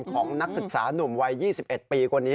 ของนักศึกษาหนุ่มวัย๒๑ปีกว่านี้